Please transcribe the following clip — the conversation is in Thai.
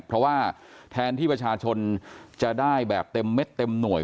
เพราะว่าแทนที่ประชาชนจะได้แบบเต็มเม็ดเต็มหน่วย